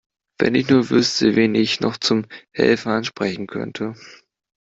Wenn ich nur wüsste, wen ich noch zum Helfen ansprechen könnte.